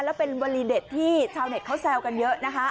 แล้วเป็นวลีเด็ดที่ชาวเน็ตเขาแซวกันเยอะนะคะ